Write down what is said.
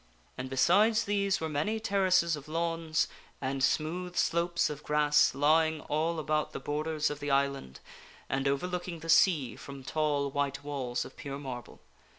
And besides these were many terraces of lawns, and smooth slopes of grass lying all about the borders of the island, and overlooking the sea from tall white walls of pure marble.